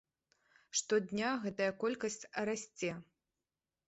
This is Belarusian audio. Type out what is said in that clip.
Штодня гэтая колькасць расце.